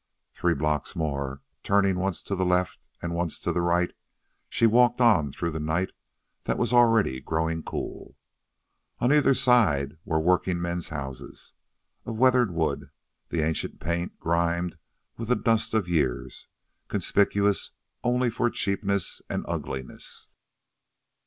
Three blocks more, turning once to left and once to right, she walked on through the night that was already growing cool. On either side were workingmen's houses, of weathered wood, the ancient paint grimed with the dust of years, conspicuous only for cheapness and ugliness.